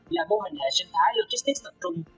là bộ hình hệ sinh thái logistics thật trung